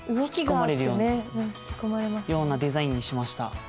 引き込まれるようなデザインにしました。